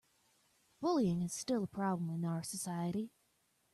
Bullying is still a problem in our society.